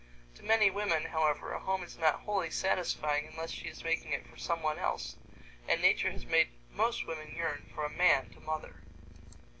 To many women, however, a home is not wholly satisfying unless she is making it for someone else, and nature has made most women yearn for a man to mother.